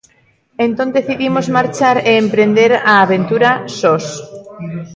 Entón decidimos marchar e emprender a aventura sós.